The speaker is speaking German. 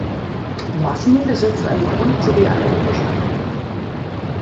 Massen besitzt eine Grund- sowie eine Oberschule.